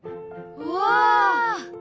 うわ！